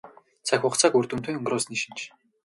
Цаг хугацааг үр дүнтэй өнгөрөөсний шинж.